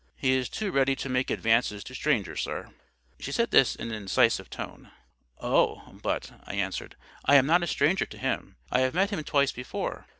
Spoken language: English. "He is too ready to make advances to strangers, sir." She said this in an incisive tone. "Oh, but," I answered, "I am not a stranger to him. I have met him twice before.